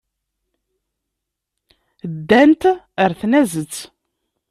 Ddant ɣer tnazent.